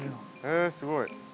へえすごい。